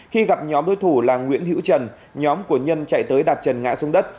khi gặp nhóm đối thủ là nguyễn hữu trần nhóm của nhân chạy tới đạp trần ngã xuống đất